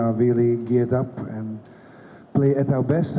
bahwa besok kita sangat bersikap baik